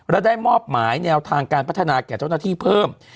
และได้มอบหมายแนวทางการพัฒนาแก่เจ้าหน้าที่เพิ่ม